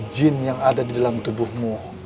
jin yang ada di dalam tubuhmu